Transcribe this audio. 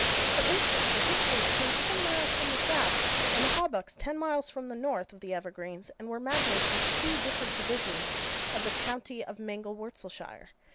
For instance, the Hipsleys came ten miles from the south, and the Hawbucks ten miles from the north, of the Evergreens; and were magnates in two different divisions of the county of Mangelwurzelshire.